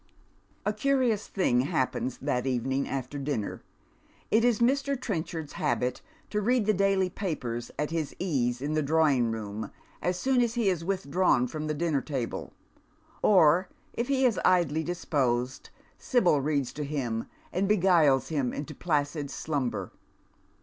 A CURTOTTS thing happens that evening after dinner. It is Mr. Treachard's habit to read the daily papers at his ease in the drawing room as soon as he has withdrawn from the dinner table ; or, if he is idly dispoiged, Sibyl reads to him, and beguiles him into placid slumber.